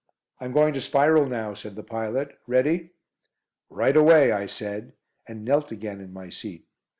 "I'm going to spiral now," said the pilot. "Ready?" "Right away," I said, and knelt again in my seat.